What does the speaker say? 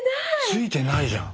ついてないじゃん。